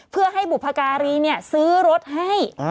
เพื่อให้บุพการีซื้อรถให้